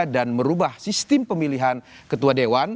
dan merubah sistem pemilihan ketua dewan